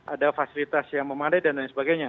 ada fasilitas yang memadai dan lain sebagainya